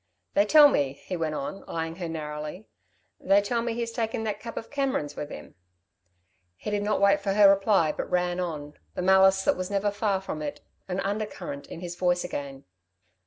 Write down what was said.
"They tell me," he went on, eyeing her narrowly, "they tell me, he's taken that cub of Cameron's with him." He did not wait for her reply, but ran on, the malice that was never far from it an undercurrent in his voice again.